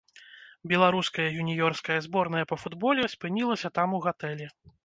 Беларуская юніёрская зборная па футболе спынілася там у гатэлі.